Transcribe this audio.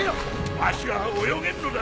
わしは泳げんのだ。